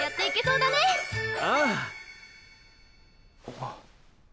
あっ。